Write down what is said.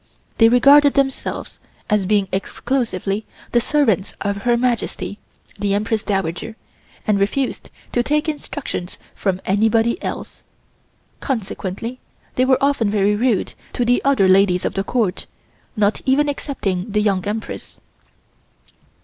They regarded themselves as being exclusively the servants of Her Majesty, the Empress Dowager, and refused to take instructions from anybody else, consequently they were often very rude to the other ladies of the Court, not even excepting the Young Empress.